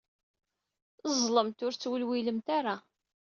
Ẓẓlemt, ur ttewliwilemt ara.